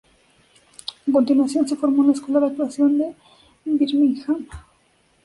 A continuación, se formó en la Escuela de Actuación de Birmingham.